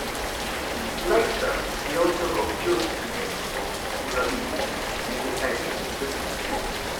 Later he also wrote children's games for Hulabee Entertainment and Disney.